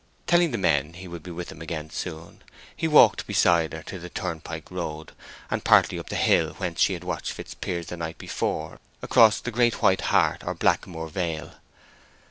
Telling the men he would be with them again soon, he walked beside her into the turnpike road, and partly up the hill whence she had watched Fitzpiers the night before across the Great White Hart or Blackmoor Valley.